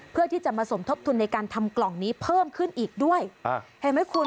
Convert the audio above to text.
เพื่อที่จะมาสมทบทุนในการทำกล่องนี้เพิ่มขึ้นอีกด้วยเห็นไหมคุณ